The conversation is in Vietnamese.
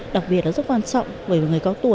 đặc biệt là rất quan trọng